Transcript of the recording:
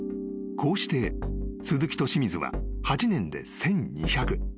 ［こうして鈴木と清水は８年で１，２００］